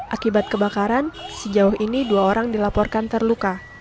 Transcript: akibat kebakaran sejauh ini dua orang dilaporkan terluka